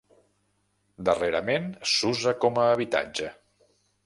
Darrerament s'usa com a habitatge.